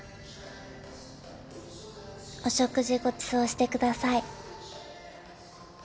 お食事ごちそうしてください。